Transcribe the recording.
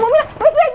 eh eh bumelda